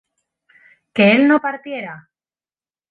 ¿que él no partiera?